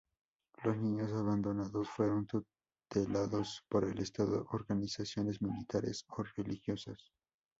Los niños abandonados fueron tutelados por el Estado, organizaciones militares o religiosas.